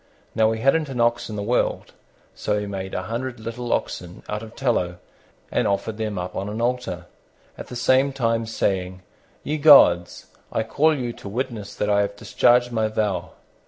Now, he hadn't an ox in the world, so he made a hundred little oxen out of tallow and offered them up on an altar, at the same time saying, "Ye gods, I call you to witness that I have discharged my vow."